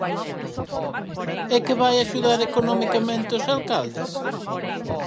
¿É que vai axudar economicamente os alcaldes?